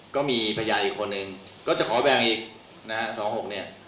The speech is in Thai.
ก็มีพยานอีกคนหนึ่งก็จะขอแบ่งอีก๗๒๖นี้